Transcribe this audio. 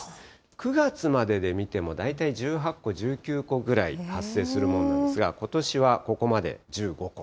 ９月までで見ても、大体１８個、１９個くらい発生するものなんですが、ことしはここまで１５個。